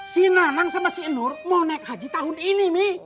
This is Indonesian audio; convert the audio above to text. si nanang sama si nur mau naik haji tahun ini